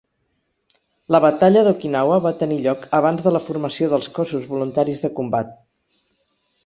La Batalla d'Okinawa va tenir lloc abans de la formació dels Cossos Voluntaris de Combat.